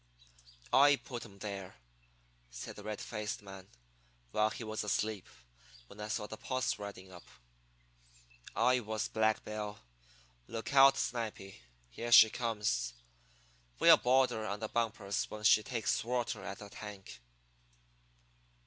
"I put 'em there," said the red faced man, "while he was asleep, when I saw the posse riding up. I was Black Bill. Look out, Snipy, here she comes! We'll board her on the bumpers when she takes water at the tank."